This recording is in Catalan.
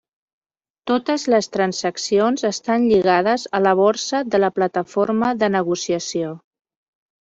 Totes les transaccions estan lligades a la borsa de la plataforma de negociació.